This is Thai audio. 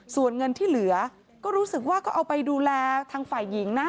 ส่วนเงินที่เหลือก็รู้สึกว่าก็เอาไปดูแลทางฝ่ายหญิงนะ